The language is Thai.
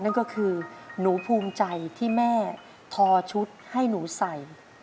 นั่นก็คือหนูภูมิใจที่แม่ทอชุดให้หนูใส่